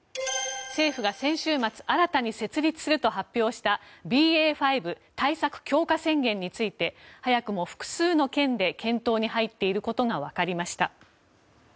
政府が先週末新たに設立すると発表したＢＡ．５対策強化宣言について早くも複数の県で検討に入っていることがわかりました。